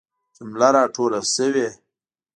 جمله را ټوله سوي.